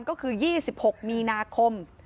ก็คือ๒๖มีนาคม